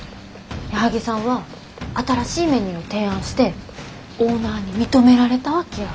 矢作さんは新しいメニューを提案してオーナーに認められたわけよ。